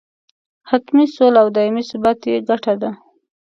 حتمي سوله او دایمي ثبات یې ګټه ده.